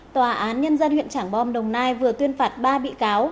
tòa án nhân dân huyện trảng bom đồng nai vừa tuyên phạt ba bị cáo